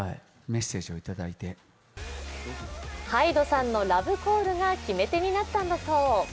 ＨＹＤＥさんのラブコールが決め手になったんだそう。